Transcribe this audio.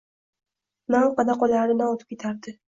Na orqada qolardi na o‘tib ketardi.